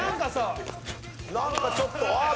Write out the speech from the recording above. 何かちょっとあっ！